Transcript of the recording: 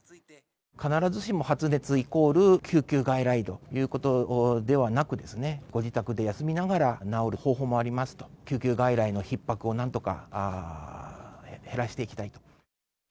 必ずしも発熱イコール救急外来ということではなく、ご自宅で休みながら治る方法もありますと、救急外来のひっ迫をなんとか減らしていきたいと。